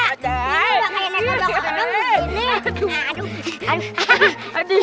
aduh aduh aduh aduh